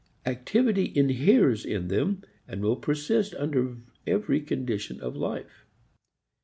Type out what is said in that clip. Activity inheres in them and will persist under every condition of life.